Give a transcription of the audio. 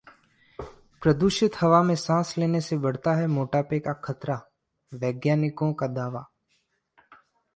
प्रदूषित हवा में सांस लेने से बढ़ता है मोटापे का खतरा, वैज्ञानिकों का दावा